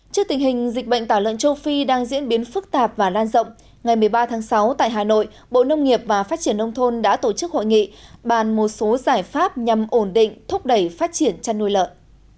trước tình hình dịch bệnh tả lợn châu phi đang diễn biến phức tạp và lan rộng ngày một mươi ba tháng sáu tại hà nội bộ nông nghiệp và phát triển nông thôn đã tổ chức hội nghị bàn một số giải pháp nhằm ổn định thúc đẩy phát triển chăn nuôi lợn